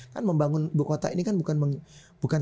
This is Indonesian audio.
kan membangun ibu kota ini kan bukan